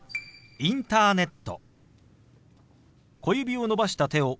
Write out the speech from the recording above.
「インターネット」。